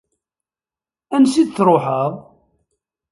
Ansi d-truḥeḍ?